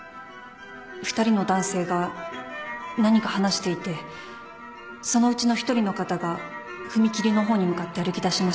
２人の男性が何か話していてそのうちの１人の方が踏切の方に向かって歩きだしました。